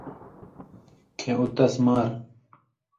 کھیں اُو تس مار،